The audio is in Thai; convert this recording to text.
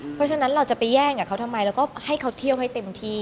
เพราะฉะนั้นเราจะไปแย่งกับเขาทำไมเราก็ให้เขาเที่ยวให้เต็มที่